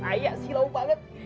ayak sih lau banget